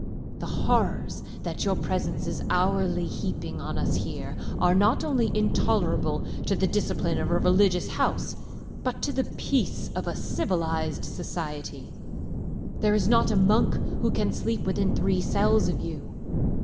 The horrors that your presence is hourly heaping on us here, are not only intolerable to the discipline of a religious house, but to the peace of civilized society. There is not a monk who can sleep within three cells of you.